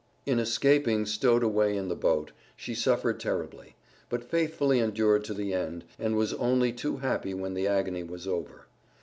In escaping stowed away in the boat, she suffered terribly, but faithfully endured to the end, and was only too happy when the agony was over.